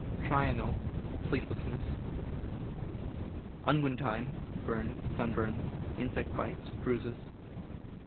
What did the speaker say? Trional — sleeplessness. Unguentine — burns, sunburn, insect bites, bruises.